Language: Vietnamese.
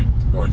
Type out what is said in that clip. không có gì khó